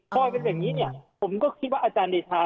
เพราะว่าเป็นแบบนี้ผมก็คิดว่าอาจารย์เดชา